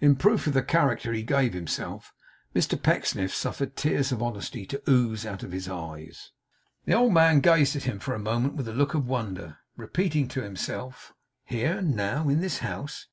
In proof of the character he gave himself, Mr Pecksniff suffered tears of honesty to ooze out of his eyes. The old man gazed at him for a moment with a look of wonder, repeating to himself, 'Here now! In this house!